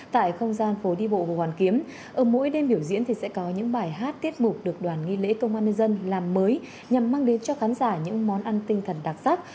tại không gian phố đi bộ hồ hoàn kiếm ở mỗi đêm biểu diễn thì sẽ có những bài hát tiết mục được đoàn nghi lễ công an nhân dân làm mới nhằm mang đến cho khán giả những món ăn tinh thần đặc sắc